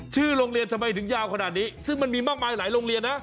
ชื่อโรงเรียนทำไมถึงยาวขนาดนี้ซึ่งมันมีมากมายหลายโรงเรียนนะ